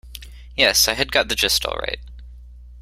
Yes, I had got the gist all right.